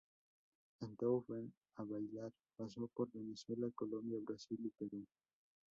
El tour Ven A Bailar pasó por Venezuela, Colombia, Brasil y Perú.